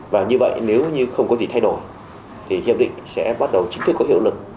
và như vậy nếu như không có gì thay đổi thì hiệp định sẽ bắt đầu chính thức có hiệu lực